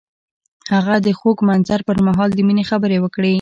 هغه د خوږ منظر پر مهال د مینې خبرې وکړې.